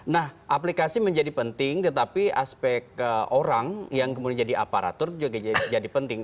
nah aplikasi menjadi penting tetapi aspek orang yang kemudian jadi aparatur itu juga jadi penting